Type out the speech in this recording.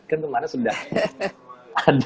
kan teman teman sudah ada lima orang yang serga